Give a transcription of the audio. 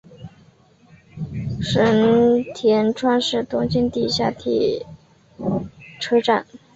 神田川是东京地下铁车站。